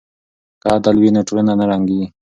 که عدل وي نو ټولنه نه ړنګیږي.